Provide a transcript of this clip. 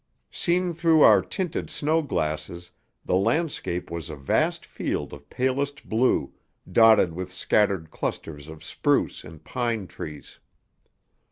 Seen through our tinted snow glasses, the landscape was a vast field of palest blue, dotted with scattered clusters of spruce and pine trees.